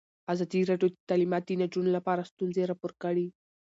ازادي راډیو د تعلیمات د نجونو لپاره ستونزې راپور کړي.